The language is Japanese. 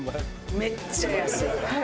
めっちゃ安い。